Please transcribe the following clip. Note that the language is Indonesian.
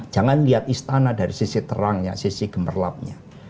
jangan lihat istana dari sisi terangnya sisi gemerlapnya